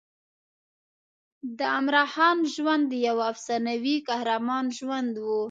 د عمراخان ژوند د یوه افسانوي قهرمان ژوند و.